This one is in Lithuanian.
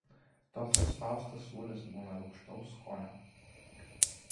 Toks suspaustas sūris būna rūgštaus skonio.